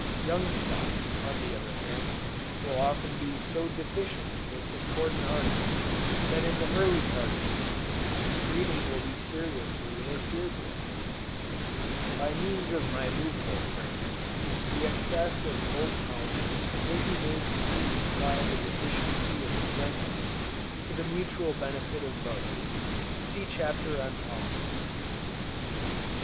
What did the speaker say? Young stocks, on the other hand, will often be so deficient in this important article, that in the early part of the season, breeding will be seriously interfered with. By means of my movable frames, the excess of old colonies may be made to supply the deficiency of young ones, to the mutual benefit of both. (See Chapter on Pollen.) 29.